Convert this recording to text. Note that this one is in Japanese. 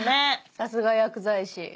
さすが薬剤師。